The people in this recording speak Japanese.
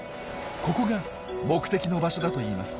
ここが目的の場所だといいます。